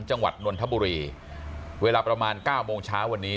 จังหวัดนวลธับบุรีเวลาประมาณเก้าโมงเช้าวันนี้